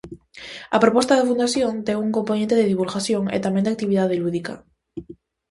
A proposta da Fundación ten un compoñente de divulgación e tamén de actividade lúdica.